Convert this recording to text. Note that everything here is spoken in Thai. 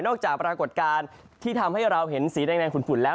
จากปรากฏการณ์ที่ทำให้เราเห็นสีแดงฝุ่นแล้ว